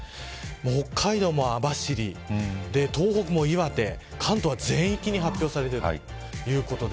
北海道も網走東北も岩手関東は全域に発表されているということです。